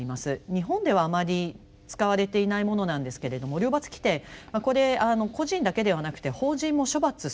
日本ではあまり使われていないものなんですけれども両罰規定これ個人だけではなくて法人も処罰すると。